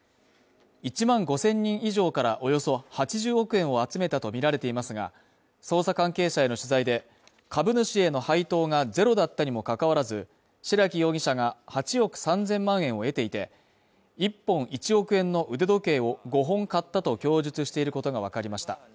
１万５０００人以上からおよそ８０億円を集めたとみられていますが、捜査関係者への取材で、株主への配当がゼロだったにもかかわらず、白木容疑者が８億３０００万円を得ていて、１本１億円の腕時計を５本買ったと供述していることがわかりました